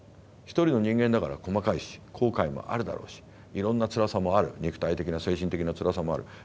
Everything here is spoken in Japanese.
一人の人間だから細かいし後悔もあるだろうしいろんなつらさもある肉体的な精神的なつらさもある。